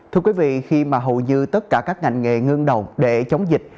thưa quý vị khi mà hầu như tất cả các ngành nghề ngưng đầu để chống dịch